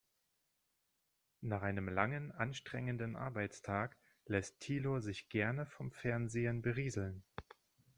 Nach einem langen, anstrengenden Arbeitstag lässt Thilo sich gerne vom Fernsehen berieseln.